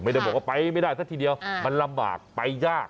ไม่ได้บอกว่าไปไม่ได้ซะทีเดียวมันลำบากไปยาก